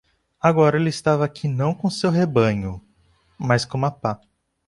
Agora ele estava aqui não com seu rebanho?, mas com uma pá.